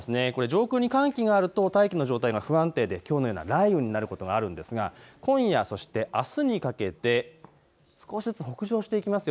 上空に寒気があると大気の状態が不安定できょうのような雷雨になることがあるんですが今夜、そしてあすにかけて少しずつ北上していきます。